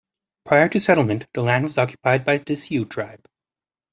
Prior to settlement the land was occupied by the Sioux tribe.